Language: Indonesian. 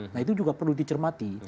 nah itu juga perlu dicermati